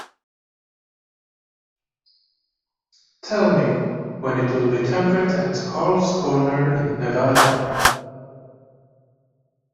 Tell me when it will be temperate at Carl's Corner, in Nevada